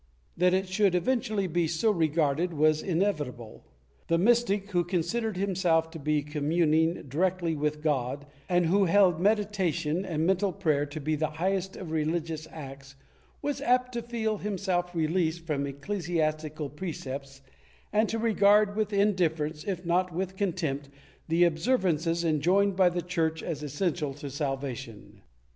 That it should eventually be so regarded was inevitable. The mystic, who considered himself to be comnmning directly with God and who held meditation and mental prayer to be the highest of religious acts, was apt to feel himself released from ecclesias tical precepts and to regard with indifference, if not with contempt, the observances enjoined by the Church as essential to salvation.